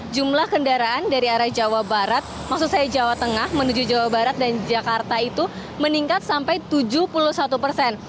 jumlah kendaraan dari arah jawa barat maksud saya jawa tengah menuju jawa barat dan jakarta itu meningkat sampai tujuh puluh satu persen